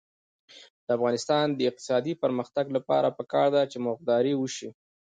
د افغانستان د اقتصادي پرمختګ لپاره پکار ده چې مرغداري وشي.